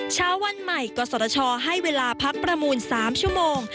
เช้าวันใหม่กศชให้เวลาพักประมูล๓ชั่วโมง